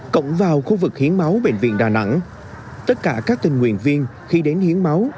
cổng vào khu vực hiến máu bệnh viện đà nẵng tất cả các tình nguyện viên khi đến hiến máu